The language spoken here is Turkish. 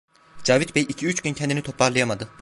Cavit Bey iki üç gün kendini toparlayamadı.